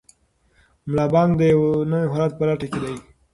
ملا بانګ د یو نوي هویت په لټه کې دی.